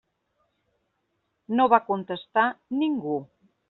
No va contestar ningú.